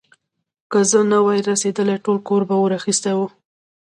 که زه نه وای رسېدلی، ټول کور به اور اخيستی و.